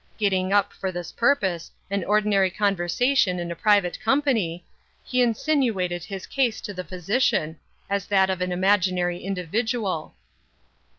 Getting up, for this purpose, an ordinary conversation in a private company, he insinuated his case to the physician, as that of an imaginary individual.